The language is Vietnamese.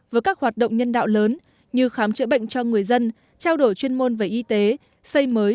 với các hoạt động nhân đạo lớn như khám chữa bệnh cho người dân trao đổi chuyên môn về y tế xây mới